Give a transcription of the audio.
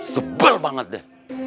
sebel banget deh